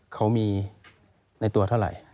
เขามีในตัวเท่าไหร่